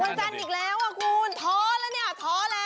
วันจันทร์อีกแล้วท้องแล้ว๓๐๐บาท